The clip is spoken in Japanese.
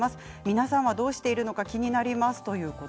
皆さんはどうしているのか気になります。